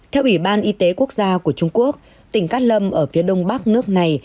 theo ủy ban y tế quốc gia của trung quốc tỉnh cát lâm ở phía đông bắc nước này